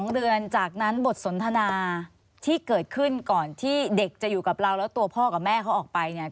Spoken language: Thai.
๒เดือนจากนั้นบทสนทนาที่เกิดขึ้นก่อนที่เด็กจะอยู่กับเราแล้วตัวพ่อกับแม่เขาออกไปเนี่ย